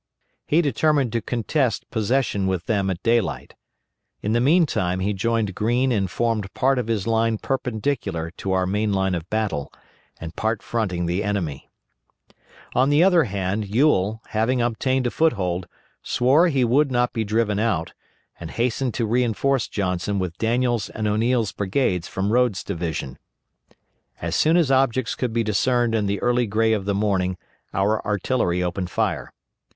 He determined to contest possession with them at daylight. In the meantime he joined Greene and formed part of his line perpendicular to our main line of battle, and part fronting the enemy. On the other hand, Ewell, having obtained a foothold, swore he would not be driven out, and hastened to reinforce Johnson with Daniel's and O'Neill's brigades from Rodes' division. As soon as objects could be discerned in the early gray of the morning our artillery opened fire.